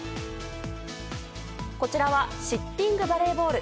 こちらはシッティングバレーボール。